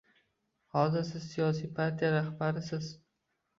Hozir siz siyosiy partiya rahbarisiz